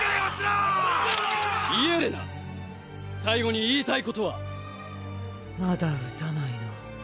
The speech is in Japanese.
最後に言いたいことは⁉まだ撃たないの？